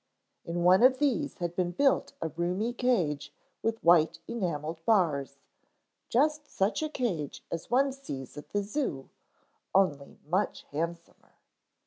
In one of these had been built a roomy cage with white enameled bars, just such a cage as one sees at the zoo, only much handsomer.